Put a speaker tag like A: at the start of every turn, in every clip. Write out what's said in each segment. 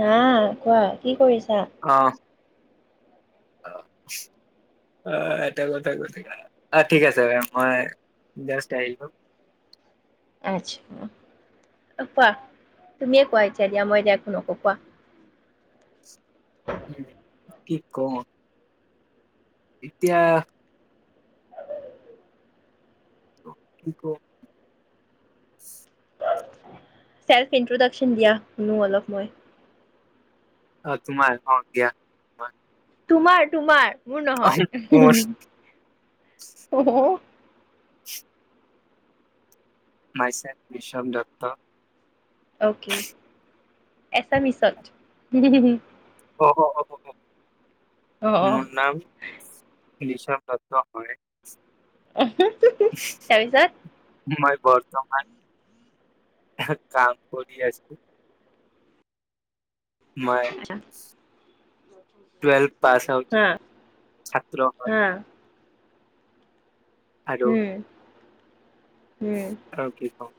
A: হা কোৱা কি কৰিছা?
B: অ' অ এটা কথা গতিকে অ ঠিক আছে মই জাষ্ট আহিলো।
A: আচছা কোৱা তুমিয়ে কোৱা এতিয়া দিয়া মই দিয়া একো নকওঁ কোৱা।
B: উম কি কম? এতিয়া কি কও?
A: চেল্ফ ইট্ৰডাকচন দিয়া শুনো অলপ মই।
B: অ, তোমাৰ অ, দিয়া।
A: তোমাৰ, তোমাৰ। মোৰ
B: অ',
A: নহয়
B: মোৰ
A: অহ।
B: [unintelligible] মাইচেল বিশ্বৱ দত্ত।
A: অকে এছামিচত
B: অ, অ
A: অ, অ
B: বিশ্বৱ দত্ত হয়।
A: আহ তাৰ পিছত
B: মই বৰ্তমান কাম কৰি আছো। মাই। টুৱেলভ পাছ আউট
A: হা
B: ছাত্ৰ হয়।
A: হা
B: আৰু
A: উম। উম
B: আৰু কি কম।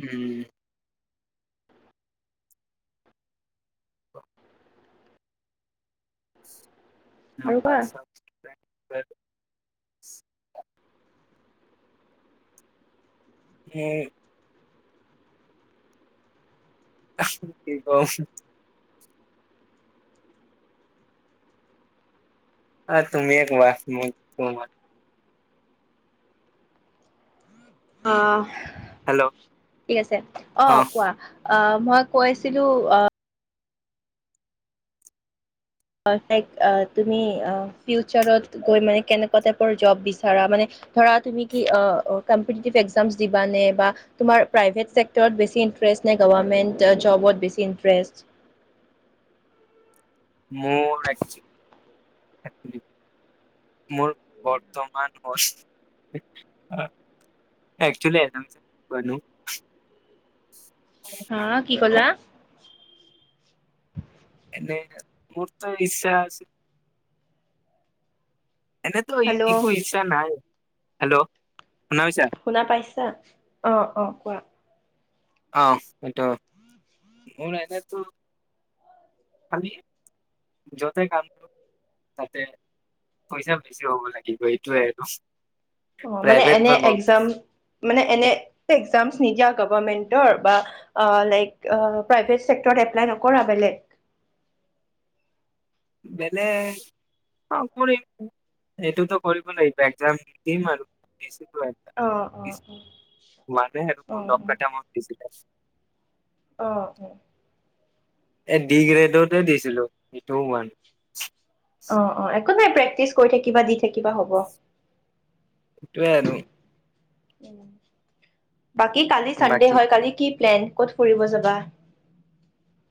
B: উম। অ
A: আৰু কোৱা।
B: পাইছোঁ। [inaudible] [unintelligible] কি কম। অ, তুমিয়ে কোৱা মই শুনো ময়
A: অহ
B: হেল্ল'
A: ঠিক আছে অ কোৱা। অ মই কৈছিলোঁ অহ হয় তাইক তুমি ফিউচাৰত গৈ মানে কেনেকুৱা টাইপৰ জব বিচাৰা মানে ধৰা তুমি কি কম্পিটিটিভ এক্সামছ দিবানে বা তোমাৰ প্ৰাইভেট চেক্টৰত বেছি ইণ্টাৰেষ্ট নে গভমেণ্ট জবত বেছি ইণ্টাৰেষ্ট।
B: মোৰ একচলি মোৰ বৰ্তমান মই একচলি
A: হা কি ক'লা। [inaudible]
B: নে মোৰ ট ইচ্ছা আছে। এনেটো
A: হেল্ল'
B: একো ইচ্ছা নাই। হেল্ল'। শুনা পাইছা
A: শুনা পাইছা? অ, অ কোৱা।
B: অ সেইটো। মোৰ আইতাতো খালি য'তে কাম কৰ তাতে পইচা বেছি হব লাগিব এইটোৱে আৰু।
A: অ মানে
B: প্ৰাইভেট
A: এনে
B: বা
A: এক্সাম
B: গভমেণ্ট
A: মানে এনে এক্সাম। নিদিয়া গভৰ্মেণ্টৰ বা অ লাইক অ প্ৰাইভেট চেক্টৰত এপ্লাই নকৰা বেলেগ?
B: বেলেগ, অউ কৰিম। সেইটোতো কৰিব লাগিব এক্সাম দিম আৰু বে
A: অ অ
B: [unintelligible] মানে
A: অ অ
B: মোৰ লগকেইটামান দিছিলে।
A: অঁ, অঁ।
B: এ ডি গ্ৰেডতে দিছিলোঁ। সেইটোও হোৱা
A: অঁ, অঁ, এক একো নাই। প্ৰেক্টিচ কৰি থাকিবা, দি থাকিবা, হ'ব।
B: সেইটোৱে আৰু।
A: উম। বাকী কালি ছানডে'
B: বাকী
A: হয়। কালি কি প্লেন ক'ত ফুৰিব যাবা?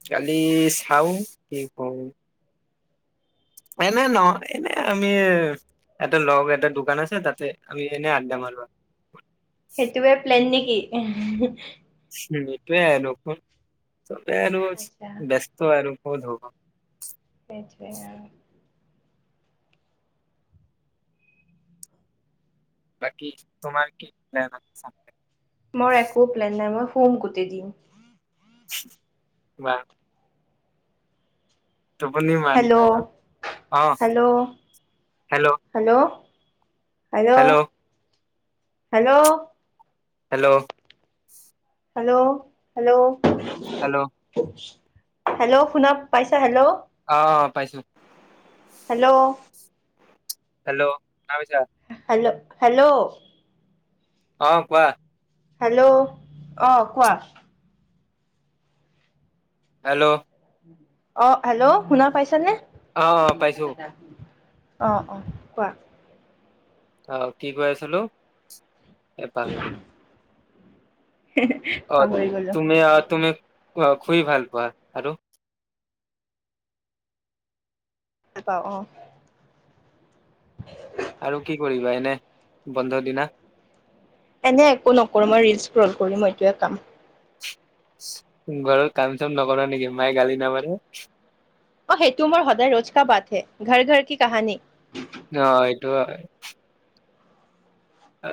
B: কালি চাওঁ, কি কৰো। এনে ন, এনে, আমি এটা লগ এটা দোকান আছে, তাতে আমি এনে আড্ডা মাৰো আৰু।
A: সেইটোৱে প্লেন নে কি?
B: সেইটোৱে [unintelligible] চবে আৰু
A: আচ্ছা
B: ব্যস্ত আৰু। ক'ত হ'ব?
A: সেইটোৱে আৰু
B: বাকী তোমাৰ কি প্লেন [unintelligible]
A: মোৰ একো প্লেন নাই মই শুম গোটেই দিন।
B: বা টোপনি মাৰিবা
A: হেল্ল'
B: ন? অঁ,
A: hello
B: hello?
A: Hello? Hello?
B: Hello?
A: Hello, hello?
B: Hello অ
A: হেল্ল', শুনা পাইছা? হেল্ল'?
B: পাইছোঁ।
A: হেল্ল'?
B: হেল্ল', শুনা পাইছা?
A: Hello, hello?
B: অঁ, কোৱা।
A: হেল্ল', অঁ, কোৱা।
B: হেল্ল'।
A: অঁ, হেল্ল', শুনা পাইছনে?
B: অ পাইছো
A: [unintelligible] অঁ, অঁ, কোৱা।
B: অঁ, কি কৈ আছিলো? এ পাহৰি গলো। অ',
A: পাহৰি গলো
B: তুমি অ', তুমি অঁ, শুই ভাল পোৱা। আৰু?
A: পাওঁ অ
B: আৰু কি কৰিবা এনে বন্ধৰ দিনা
A: এনে একো নকৰো মই ৰিল স্ক্ৰল কৰি মই এইটোৱে কাম
B: ঘৰৰ কাম চাম নকৰা নেকি মায়ে গালি নামাৰেে
A: অ সেইটো মোৰ সদায় ৰোজ ক বাত হে ঘৰ ঘৰ কি কাহানী
B: অ এইটো অ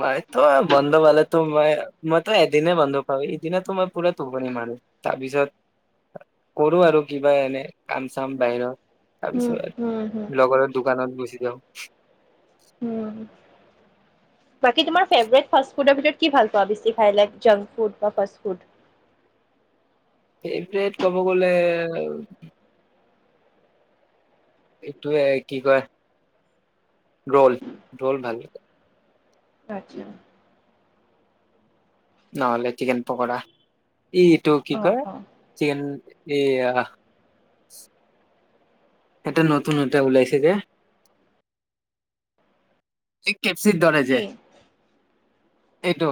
B: মই তো বন্ধ পালো মই মইতো এদিনা বন্ধ পাওঁ সেদিনা মই পুৰা টোপনি মাৰো তাৰপিছত কৰো আৰু কিবা এনে কাম চাম বাহিৰত
A: হুম হুম হুম
B: তাৰপিছত লগৰৰ দোকানত গুচি যাওঁ
A: হুম বাকী তোমাৰ ফেব্ৰৰেড ফাষ্ট ফুডৰ ভিতৰত কি ভাল পোৱা বেছি খাই লাইক জাংক ফুড বা ফ ফুড
B: ফেভৰেট ক'ব গলে এইটোৱে কি কয় ৰোল ৰোল ভাল লে
A: ৰাজিয়
B: নহলে চিকেন পকোৰা ই এইটো কি
A: অ
B: কয়
A: অ
B: চিকেন এয়া এটা নতুন এটা ওলাইছে যে কেপচিৰ ধৰে যে
A: কি
B: এইটো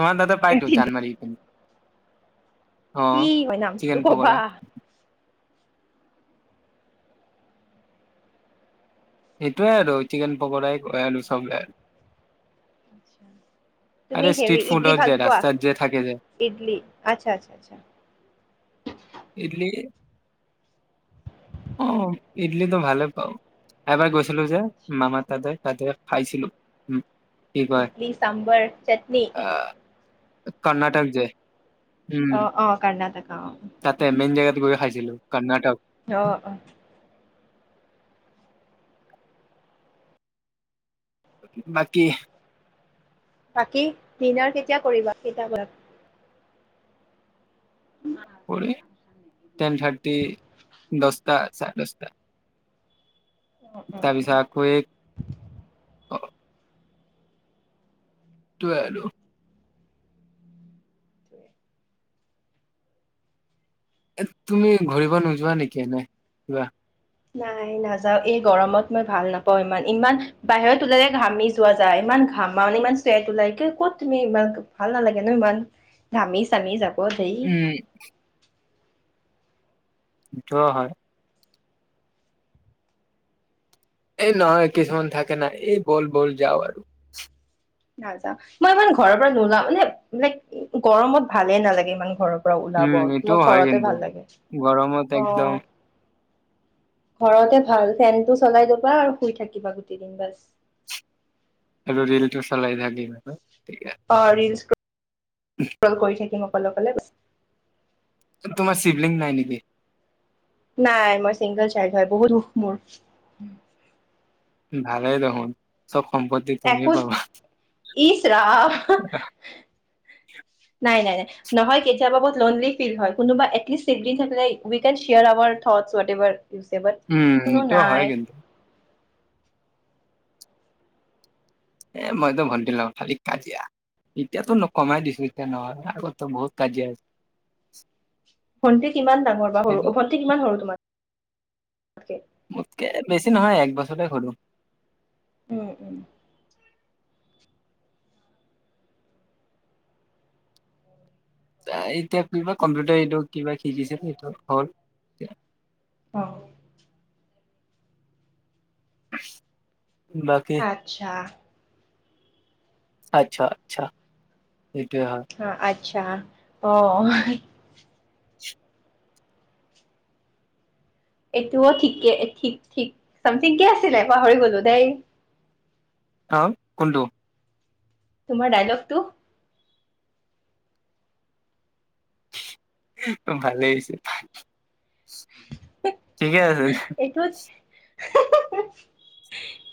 B: তোমাৰ দাদা পাই ত চান মাৰী
A: কি হয় নাম
B: চিকেন
A: তোক কবা
B: পকৰা সেইটোৱে আৰু চিকেন পকৰাই ক আৰু চবেই আৰু
A: তুমি হেৰি ইডলি
B: যে
A: ভাল পোৱা
B: ৰাস্তাত যে থাকে যে
A: ইডলি আচ্ছা আচ্ছা আ
B: ইডলি অ ইডলিটো ভালে পাও এবাৰ গৈ ছিলো যে
A: আচ্ছা
B: মামা তাদাই তাতেৰে খাইছিলো উম কি কয়
A: ইডলি চামভাৰ চাটনি
B: আহ কৰ্ণাটক যে উম
A: অ অ কৰ্ণাটক অ
B: তাতে মেইন জেগাত গৈ খাইছিলো কৰ্ণাটক
A: আহ অ
B: বাকী
A: বাকী দিনাৰ কেতিয়া কৰিবা কিতাপ উম
B: পৰে টেন থাৰ্টি দহটা চাৰে দহটা
A: অ অ অ
B: তাৰপিছত আকৌ এক ত এল [unintelligible]
A: উ
B: এ তুমি ঘূৰিব নোযোৱা নেকি এ নই কিবা
A: নাই নাযাও এই গৰমত মই ভাল নাপাও ইমান ইমান বাহিৰত ওলালে ঘামি যোৱা যায় ইমান ঘামাও ইমান চুৱেট ওলাই কি কত তুমি ইমান ভাল নালাগে ন ইমান ঘামি চামি যাব দেই
B: উম জোৱা হয় এই নহয় কিছুমান থাকে ন এই বল বল যাও আৰু
A: নাযাওঁ মই ইমান ঘৰৰ পৰা নোলাও মানে লাইক গৰমত ভালে নালাগে ইমান ঘৰৰ পৰা ওলাব
B: উম
A: মোৰ
B: এইটোও হয়
A: ঘৰতে
B: কিন্তু
A: ভাল লাগে
B: গৰমত
A: অ
B: একদম
A: ঘৰতে ভাল ফেনটো চলাই দবা আৰু শুই থাকিবা গোটেই দিন বাছ
B: এ এইতি [unintelligible] চলাই হ্লন
A: পাৰ কৰি থাকিম কল কলে
B: তোমাৰ শিবলিং নাই নেকি
A: নাই মই চিংগল চাইল্ড হয় বহুত সুখ মোৰ
B: ভালেই দেখোন চব সম্পত্তি তুমিয়ে
A: একোশ
B: পাবা।
A: ইচৰা নাই নাই নাই নহয় কেতিায়াবা লনলি ফিল হয় কোনোবা এটলিষ্টল থাক উইাৰাৰ থ এভাৰ ইউ চে বাট
B: উম
A: কোনো
B: এইটোও
A: নাই
B: হয় কিন্তু এ মইতো ভণ্টি ল খালি কাজিয়া এতিয়াতো কমাই দিছো এতিয়া নহয় আগতো বহুত কাজিয়া আছে
A: ভণ্টি কিমান ডাঙৰ বা সৰু ভণ্টি কিমান সৰু তোমাৰ অাকে [unintelligible]
B: মোতকে বেছি নহয় এক বছৰে সৰু
A: উম উম
B: এতিয়া কিবা কম্পিউটাৰ এইটো কিবা শিকিছে সেইটো হল
A: অ
B: আছ [unintelligible]
A: আত্ছা
B: আচ্ছা আচ্ছা সেইটোৱে হয়
A: হা আচ্ছা অ এইটোও ঠিকে ঠিক ঠিক চামথিং কে আছিলে পাহৰি গলো দেই
B: আহ কোনটো
A: তোমাৰ ডাইলগটো
B: ভালেই হৈছে ঠিকে আছে
A: এইটোত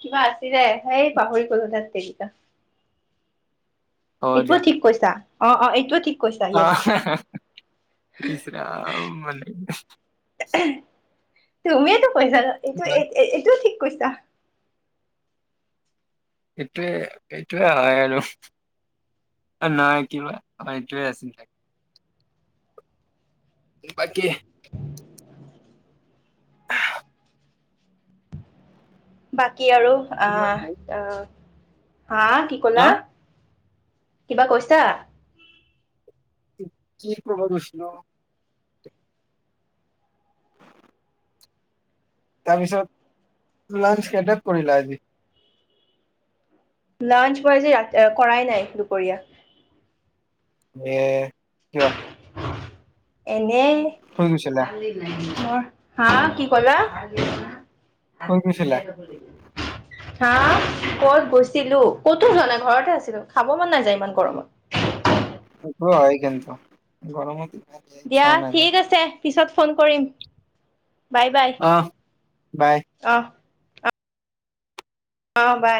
A: কিবা আছিলে সে পাহৰি গলো তাত তেৰিকা এইটোও ঠিক কৈছা অ অ এইটোয়ে ঠিক কৈছা য়েছ
B: আহ ইছ ৰাম মানে
A: তুমিয়েতু হয় জানা এইটো এ
B: বাট
A: এইটো ঠিক কৈছা
B: এইটোৱে-এইটোৱে হয় আৰু নাই কিবা অ এইটোৱে আছিলে। বাকী
A: বাট কি আৰু অ
B: কিমান
A: অহ-অহ হা কি
B: হা
A: ক'লা কিবা কৈছা?
B: কি কৰবা গৈছিলো? তাৰপিছত লাঞ্চ কেইটাত কৰিলা আজি।
A: লাঞ্চ মই আজি কৰাই নাই দুপৰীয়া।
B: এ কিয়?
A: এনেই
B: শুই গৈছিলা
A: মোৰ হা কি কলা। হা
B: শুই
A: কত
B: গৈছিলা
A: গৈছিলো ক'তো যোৱা নাই ঘৰতে আছিলো খাব মন নাযায় ইমান গৰমত।
B: অ' হয় কিন্ত গৰমতে
A: দিয়া ঠিক আছে পিছত। ফোন কৰিম। বাই-বাই
B: অ বাই
A: অ, অ' বাই।